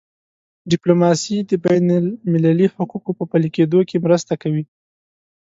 ډیپلوماسي د بینالمللي حقوقو په پلي کېدو کي مرسته کوي.